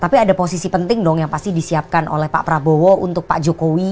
tapi ada posisi penting dong yang pasti disiapkan oleh pak prabowo untuk pak jokowi